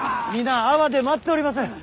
皆安房で待っております。